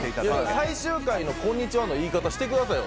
最終回のこんにちはの言い方してくださいよ。